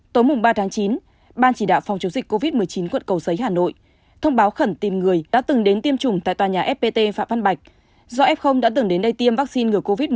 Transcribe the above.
tối mùng ba tháng chín ban chỉ đạo phòng chống dịch covid một mươi chín quận cầu giấy hà nội thông báo khẩn tìm người đã từng đến tiêm chủng tại tòa nhà fpt phạm văn bạch do f đã từng đến đây tiêm vaccine ngừa covid một mươi chín